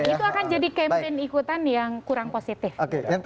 itu akan jadi campaign ikutan yang kurang positif